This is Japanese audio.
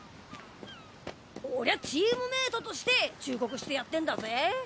俺はチームメートとして忠告してやってんだぜ。